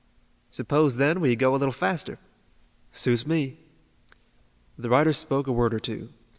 "Suppose, then, we go a little faster." "Suits me." The riders spoke a word or two.